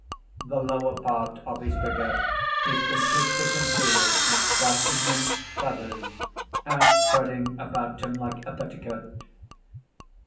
The lower part of his figure is completely concealed by immense feathers outspreading about him like a petticoat.